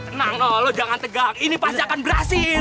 tenang loh jangan tegang ini pasti akan berhasil